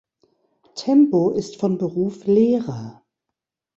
Tembo ist von Beruf Lehrer.